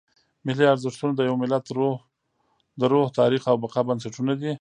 ملي ارزښتونه د یو ملت د روح، تاریخ او بقا بنسټونه دي.